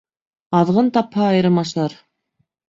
Аҙғын тапһа, айырым ашар.